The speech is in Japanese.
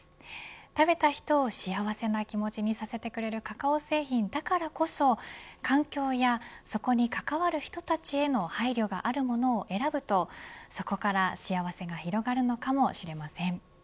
食べた人を幸せな気持ちにさせてくれるカカオ製品だからこそ環境やそこに関わる人たちへの配慮があるものを選ぶとそこから幸せが広がるのかもしれません。